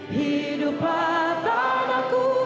kita kayain di sana kan